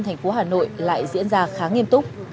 thành phố hà nội lại diễn ra khá nghiêm túc